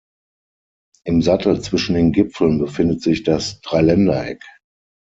Im Sattel zwischen den Gipfeln befindet sich das Dreiländereck.